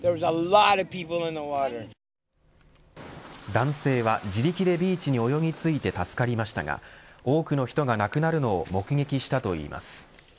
男性は自力でビーチに泳ぎ着いて助かりましたが多くの人が亡くなるのを目撃したといいます。